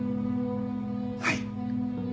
はい。